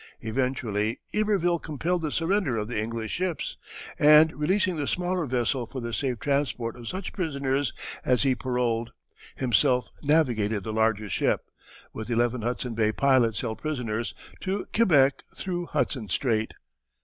Eventually Iberville compelled the surrender of the English ships, and releasing the smaller vessel for the safe transport of such prisoners as he paroled, himself navigated the larger ship, with eleven Hudson Bay pilots held prisoners, to Quebec through Hudson Strait.